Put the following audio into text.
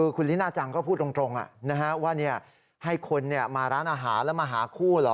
คุณลิน่าจังก็พูดตรงว่าให้คนมาร้านอาหารแล้วมาหาคู่เหรอ